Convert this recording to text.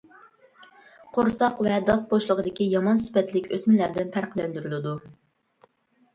قورساق ۋە داس بوشلۇقىدىكى يامان سۈپەتلىك ئۆسمىلەردىن پەرقلەندۈرۈلىدۇ.